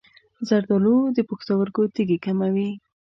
زردآلو د پښتورګو تیږې کموي.